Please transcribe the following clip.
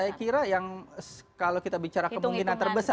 saya kira yang kalau kita bicara kemungkinan terbesar